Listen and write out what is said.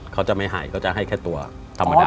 เขาจะไม่ให้เขาจะให้แค่ตัวธรรมดา